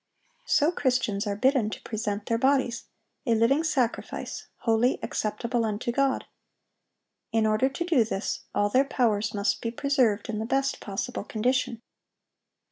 So Christians are bidden to present their bodies, "a living sacrifice, holy, acceptable unto God." In order to do this, all their powers must be preserved in the best possible condition.